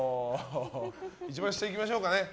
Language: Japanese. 一番下、いきましょうか。